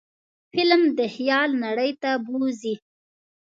فلم د خیال نړۍ ته بوځي